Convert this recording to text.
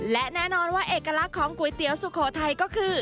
และแน่นอนว่าเอกลักษณ์ของก๋วยเตี๋ยวสุโขทัยก็คือ